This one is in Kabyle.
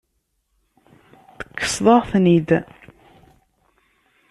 Tekkseḍ-aɣ-ten-id.